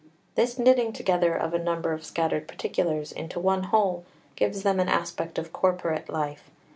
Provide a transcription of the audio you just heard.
This knitting together of a number of scattered particulars into one whole gives them an aspect of corporate life.